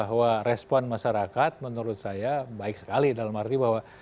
bahwa respon masyarakat menurut saya baik sekali dalam arti bahwa